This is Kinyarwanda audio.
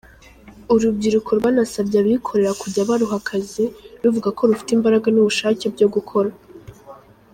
Urubyiruko rwanasabye abikorera kujya baruha akazi, ruvuga ko rufite imbaraga n’ubushake byo gukora.